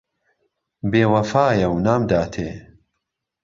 بێوهفایه و نامداتێ